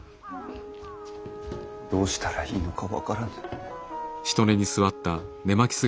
どうしたらいいのか分からぬ。